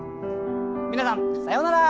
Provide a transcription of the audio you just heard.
皆さんさようなら。